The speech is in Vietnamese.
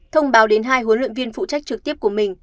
thông báo đến hai huấn luyện viên phụ trách trực tiếp của mình